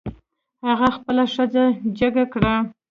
هغه خپله ښځه جګه کړه.